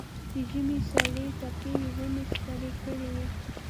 د ژمي سړې څپې یې ونې سپېرې کړې وې.